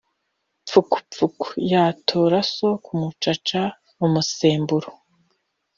Mfukumfuku yatura so ku mucaca-Umusemburo.